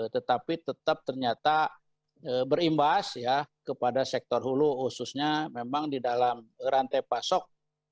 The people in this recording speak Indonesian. tetapi tetap ternyata berimbas ya kepada sektor hulu khususnya memang di dalam rantai pasok